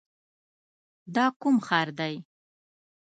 دا کوم ښار دی؟